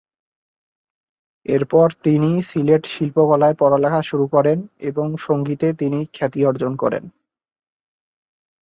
এরপর তিনি সিলেট শিল্পকলায় পড়ালেখা শুরু করেন এবং সঙ্গীতে তিনি খ্যাতি অর্জন করেন।